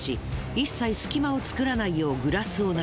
一切隙間を作らないようグラスを並べていく。